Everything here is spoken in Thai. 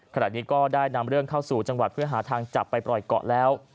ขณะนี้ก็ได้นำเรื่องเข้าสู่จังหวัดเพื่อหาทางจับไปปล่อยเกาะแล้ว